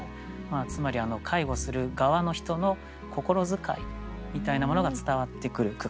つまり介護する側の人の心遣いみたいなものが伝わってくる句かなと思いますね。